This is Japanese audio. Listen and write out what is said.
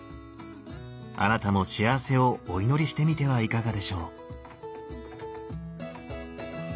あなたも幸せをお祈りしてみてはいかがでしょう。